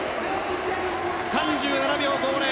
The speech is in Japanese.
３７秒５０。